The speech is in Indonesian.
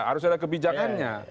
harus ada kebijakannya